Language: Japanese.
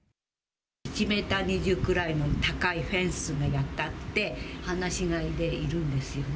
１メーター２０くらいの高いフェンスがあって、放し飼いでいるんですよね。